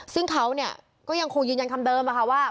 ซึ่งเขาเนี่ยก็ยังคงยืนยันคำเดิมนะคะว่า